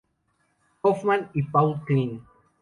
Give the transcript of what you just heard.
Hoffmann y Paul Celan.